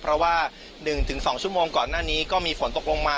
เพราะว่า๑๒ชั่วโมงก่อนหน้านี้ก็มีฝนตกลงมา